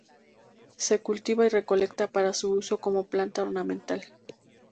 Se cultiva y recolecta para su uso como planta ornamental.